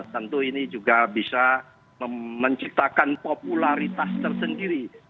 tentu ini juga bisa menciptakan popularitas tersendiri